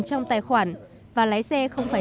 trong tài khoản và lái xe không phải